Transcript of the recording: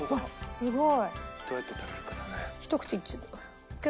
すごーい！